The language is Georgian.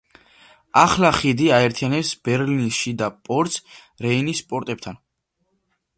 ახლა ხიდი აერთიანებს ბერლინის შიდა პორტს რეინის პორტებთან.